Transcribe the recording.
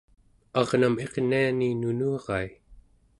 arnam irniani nunurai